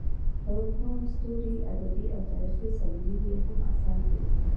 روښان ستوري ادبي او تاریخي سمونې یې هم اثار دي.